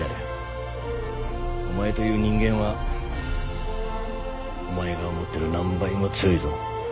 お前という人間はお前が思ってる何倍も強いぞ。